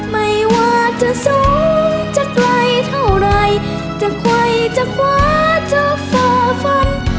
ไม่ว่าจะสูงจะไกลเท่าไหร่จะคว่ายจะขวาจะฝ่าฝัน